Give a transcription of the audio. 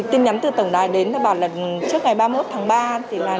tin nhắn từ tổng đài đến bảo là trước ngày ba mươi một tháng ba